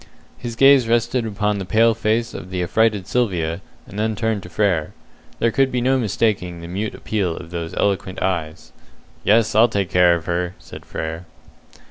His gaze rested upon the pale face of the affrighted Sylvia, and then turned to Frere. There could be no mistaking the mute appeal of those eloquent eyes. "Yes, I'll take care of her," said Frere.